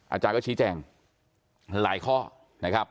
อาจารย์ก็ชี้แจงหลายข้อนะครับ